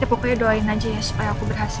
pokoknya doain aja ya supaya aku berhasil